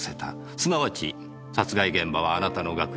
すなわち殺害現場はあなたの楽屋。